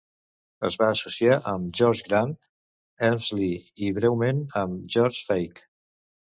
Es va associar amb George Grant Elmslie i, breument, amb George Feick.